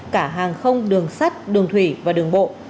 cả hàng không đường sắt đường thủy và đường bộ